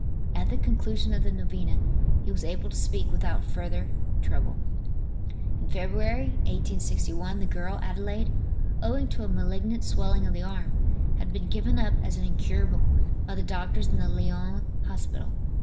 At the conclusion of the novena he was able to speak without further trouble. In Feb., 1861, the girl Adelaide, owing to a malignant swelling of the arm, had been given up as incurable by the doctors in the Lyons hospital.